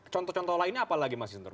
contoh contoh lainnya apa lagi mas indra